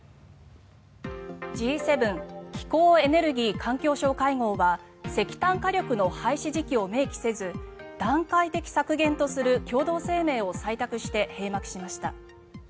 Ｇ７気候・エネルギー・環境相会合は石炭火力の廃止時期を明記せず段階的削減とする共同声明を採択して閉幕しました。